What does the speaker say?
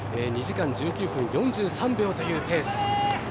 ２時間１９分４３秒というペース。